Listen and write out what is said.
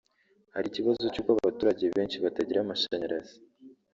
hari ikibazo cy’uko abaturage benshi batagira amashanyarazi